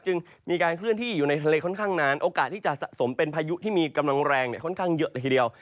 จึงมีการเคลื่อนที่อยู่ในทะเลค่อนข้างนานโอกาสที่จะสะสมเป็นพายุที่มีกำลังแรงค่อนข้างเยอะเลยทีเดียว